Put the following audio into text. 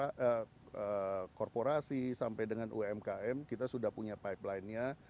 dari segmen yang korporasi sampai dengan umkm kita sudah punya pipelinenya